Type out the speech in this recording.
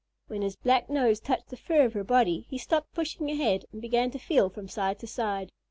When his black nose touched the fur of her body, he stopped pushing ahead and began to feel from side to side.